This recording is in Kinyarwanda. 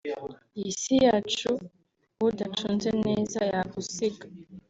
iyi si yacu udacunze neza yagusiga